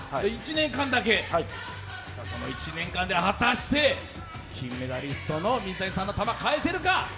１年間だけで、果たして金メダリストの水谷さんの球返せるか？